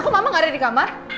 kok mama gak ada di kamar